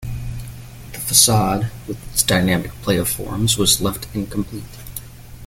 The facade, with its dynamic play of forms, was left incomplete.